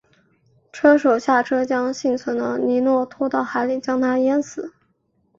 车手下车将幸存的尼诺拖到海里将他淹死。